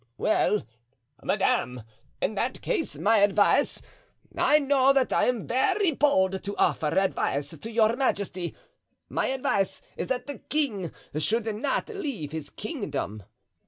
"Well, madame, in that case, my advice—I know that I am very bold to offer advice to your majesty—my advice is that the king should not leave his kingdom.